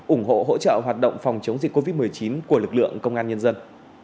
ủng hộ hỗ trợ hoạt động phòng chống dịch covid một mươi chín của lực lượng công an nhân dân